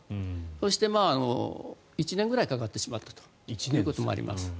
そして１年ぐらいかかってしまったということもあります。